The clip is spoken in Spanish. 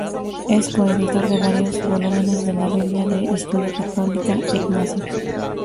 Es co-editor de varios volúmenes de la Biblia de Estudio Católica Ignacio.